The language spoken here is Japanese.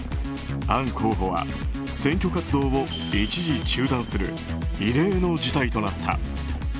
アン候補は選挙活動を一時中断する異例の事態となった。